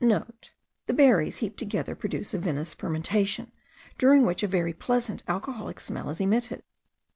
*(* The berries heaped together produce a vinous fermentation, during which a very pleasant alcoholic smell is emitted.